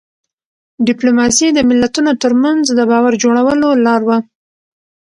ډيپلوماسي د ملتونو ترمنځ د باور جوړولو لار وه.